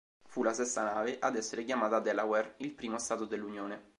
Fu la sesta nave ad essere chiamata "Delaware", il primo stato dell'unione.